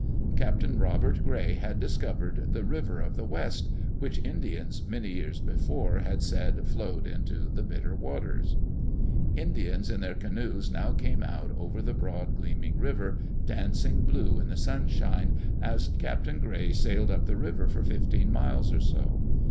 Captain Robert Gray had discovered the River of the Digitized by CjOOQ IC WHEN CAPTAIN GRAY CROSSED THE BAR West which Indians many years before had said flowed into the Bitter Waters. Indians in their canoes now came out over the broad, gleaming river, dancing blue in the sunshine, as Captain Gray sailed up the river for fifteen miles or so.